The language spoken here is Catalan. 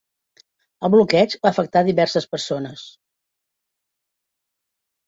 El bloqueig va afectar diverses persones.